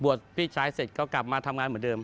พี่ชายเสร็จก็กลับมาทำงานเหมือนเดิม